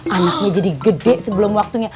anaknya jadi gede sebelum waktunya